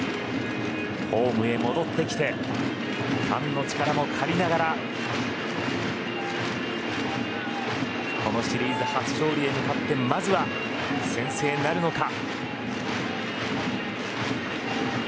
ホームへ戻ってきてファンの力も借りながらこのシリーズ初勝利へ向かってまずは先制なるのか。